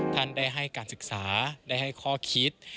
ท่านได้ให้การศึกษาได้ให้ข้อคิด